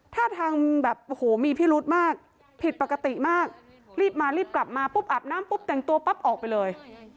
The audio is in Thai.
ท่าทางแบบโอ้โหมีพิรุธมากผิดปกติมากรีบมารีบกลับมาปุ๊บอาบน้ำปุ๊บแต่งตัวปั๊บออกไปเลย